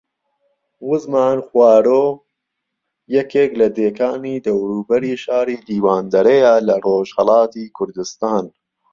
وزمان خوارۆ یەکێک لە دێکانی دەوروبەری شاری دیواندەرەیە لە ڕۆژھەڵاتی کوردستان